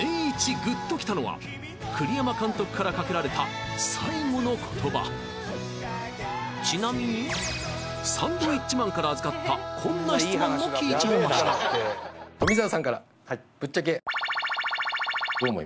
グッときたのは栗山監督からかけられた最後の言葉ちなみにサンドウィッチマンから預かったこんな質問も聞いちゃいました富澤さんからはい